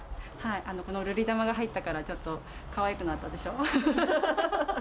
この瑠璃玉が入ったから、ちょっとかわいくなったでしょう。